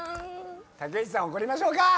武内さん怒りましょうか。